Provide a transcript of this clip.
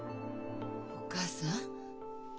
お義母さん。